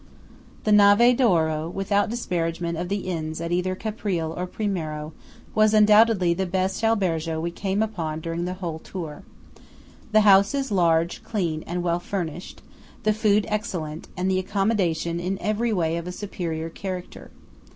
The Nave d'Oro (without disparagement of the inns at either Caprile or Primiero) was undoubtedly the best albergo we came upon during the whole tour. The house is large, clean, and well furnished; the food excellent; and the accommodation in every way of a superior character.